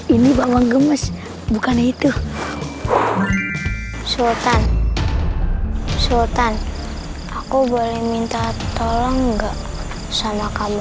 ini bangun gemes bukan itu sultan sultan aku boleh minta tolong enggak sama kamu